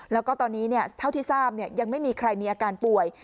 แล้วก็ตอนนี้เท่าที่ทราบยังไม่มีใครมีอาการป่วย